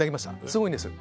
すごいんです。